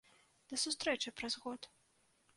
Да сустрэчы праз год!